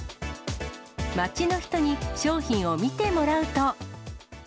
街の人に商品を見てもらうと。